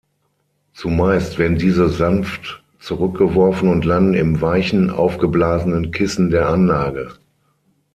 Zumeist werden diese sanft zurückgeworfen und landen im weichen, aufgeblasenen Kissen der Anlage.